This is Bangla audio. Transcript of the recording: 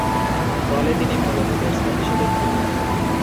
দলে তিনি মূলতঃ ব্যাটসম্যান হিসেবে খেলতেন।